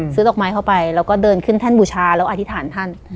ดอกไม้เข้าไปแล้วก็เดินขึ้นแท่นบูชาแล้วอธิษฐานท่าน